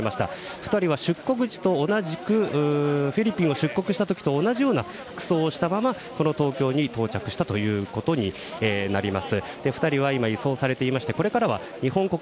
２人はフィリピンを出国した時と同じような服装をしたままこの東京に到着したことになります。